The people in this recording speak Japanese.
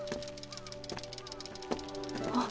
あっ！